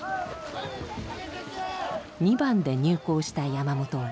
２番で入校した山本。